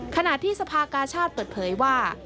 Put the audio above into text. ขณะที่สภากาชาติเปิดเผยว่า